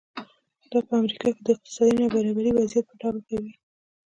دا په امریکا کې د اقتصادي نابرابرۍ وضعیت په ډاګه کوي.